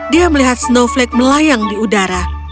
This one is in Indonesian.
dia melihat snowflake melayang di udara